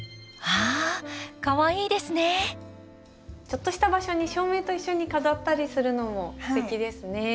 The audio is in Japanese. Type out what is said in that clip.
ちょっとした場所に照明と一緒に飾ったりするのもすてきですね。